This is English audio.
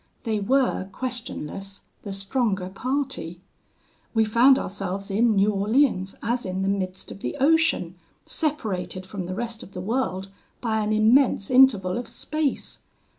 They were, questionless, the stronger party. We found ourselves in New Orleans, as in the midst of the ocean, separated from the rest of the world by an immense interval of space.